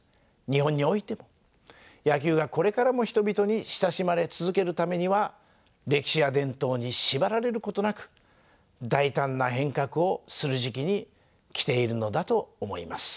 日本においても野球がこれからも人々に親しまれ続けるためには歴史や伝統にしばられることなく大胆な変革をする時期に来ているのだと思います。